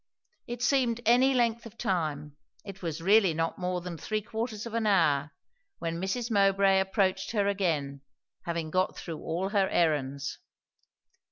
It seemed any length of time, it was really not more than three quarters of an hour, when Mrs. Mowbray approached her again, having got through her errands.